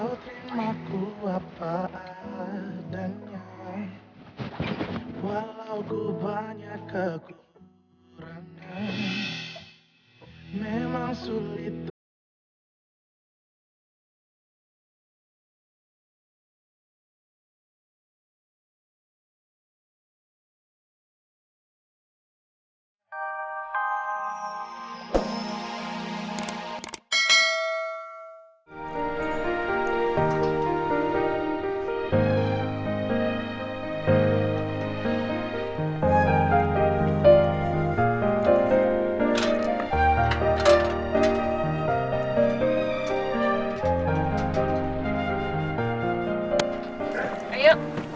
ya lah pak bos ngapain ada itu tadi